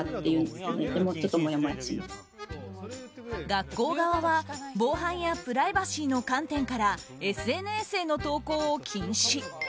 学校側は防犯やプライバシーの観点からＳＮＳへの投稿を禁止。